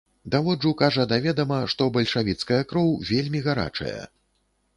Даводжу, кажа, да ведама, што бальшавіцкая кроў вельмі гарачая.